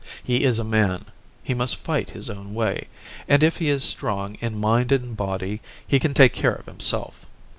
He is a man; he must fight his own way, and if he is strong in mind and body, he can take care of himself.